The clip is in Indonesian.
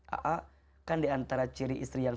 a a kan diantara ciri istri yang